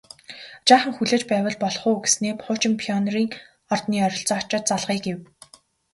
Жаахан хүлээж байвал болох уу гэснээ хуучин Пионерын ордны ойролцоо очоод залгая гэв